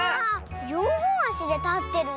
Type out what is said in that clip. よんほんあしでたってるね。